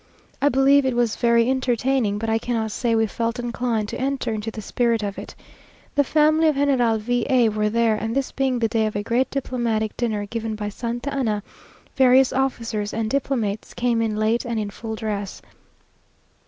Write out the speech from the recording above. I believe it was very entertaining, but I cannot say we felt inclined to enter into the spirit of it. The family of General V a were there, and, this being the day of a great diplomatic dinner given by Santa Anna, various officers and diplomates came in late and in full dress.